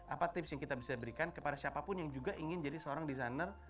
apa tips yang kita bisa berikan kepada siapapun yang juga ingin jadi seorang desainer